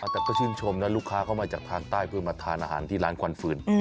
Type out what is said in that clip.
แต่ก็ชื่นชมนะลูกค้าเข้ามาจากทางใต้เพื่อมาทานอาหารที่ร้านควันฟืน